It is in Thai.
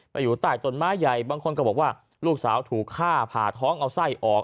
อยู่ใต้ต้นไม้ใหญ่บางคนก็บอกว่าลูกสาวถูกฆ่าผ่าท้องเอาไส้ออก